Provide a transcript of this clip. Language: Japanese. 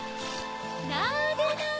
なでなで。